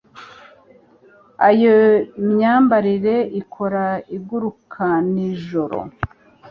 Iyo myambarire ikora igurukanijoro